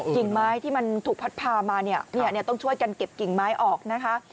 กิ่งไม้ที่มันถูกพัดพามาเนี่ยต้องช่วยกันเก็บกิ่งไม้ออกนะคะ